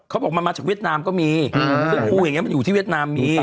เขาบอกมันมาจากเวียดนามก็มีซึ่งครูอย่างนี้มันอยู่ที่เวียดนามมี